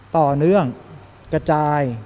ต่อเนื่องกระจาย